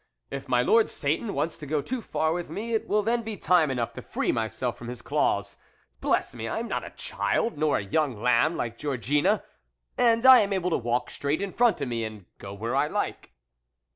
If my lord Satan wants to go too far with me, it will then be time enough to free myself from his claws : bless me ! I am not a child, nor a young lamb like Georgine, and I am able to walk straight in front of me and go where I like.